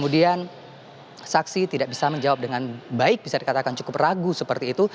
dan saksi tidak bisa menjawab dengan baik bisa dikatakan cukup ragu seperti itu